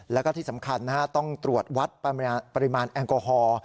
แล้วก็ที่สำคัญต้องตรวจวัดปริมาณแอลกอฮอล์